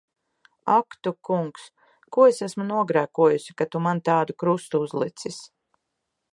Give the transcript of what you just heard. Ak tu Kungs! Ko es esmu nogrēkojusi, ka tu man tādu krustu uzlicis!